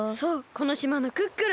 この島のクックルン！